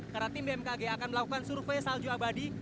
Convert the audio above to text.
karena tim bmkg akan melakukan survei salju abadi